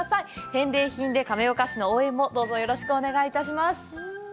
返礼品で、亀岡市の応援もよろしくお願いいたします。